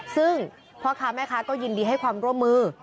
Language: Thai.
ซึ่งพ่อค้าแม่ค้าก็ยินดีให้ความร่วมมือ